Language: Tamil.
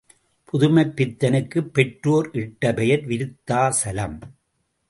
புதுமைப் பித்தனுக்கு பெற்றோர் இட்ட பெயர் விருத்தாசலம்.